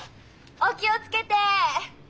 お気を付けて！